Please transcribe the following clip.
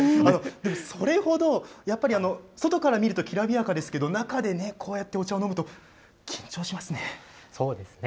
でもそれほど、やっぱり外から見るときらびやかですけど、中でこうやってお茶を飲むと、緊張しますね。